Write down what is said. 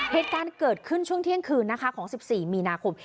เหตุการณ์เกิดขึ้นช่วงเที่ยงคืนนะคะของ๑๔มีนาคม